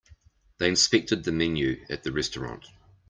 They inspected the menu at the restaurant.